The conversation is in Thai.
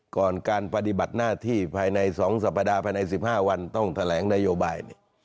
ก่อนการปฏิบัติหน้าที่ภายใน๒สัปดาห์ภายใน๑๕วันต้องแถลงนโยบาย